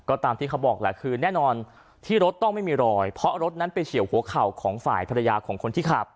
ก็ตามที่เขาบอกแหละคือแน่นอนที่รถต้องไม่มีรอยเพราะรถนั้นไปเฉียวหัวเข่าของฝ่ายภรรยาของคนที่ขับ